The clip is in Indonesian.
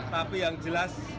tapi yang jelas